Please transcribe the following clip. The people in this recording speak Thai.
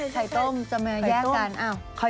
ไข่ต้มจะมาแยกกัน